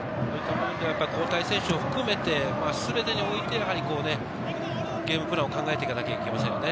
交代選手を含めて、全てにおいて、ゲームプランを考えていかなきゃいけませんね。